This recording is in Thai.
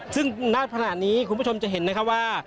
ซึ่งหน้าภาษณะนี้คุณผู้ชมจะเห็นว่า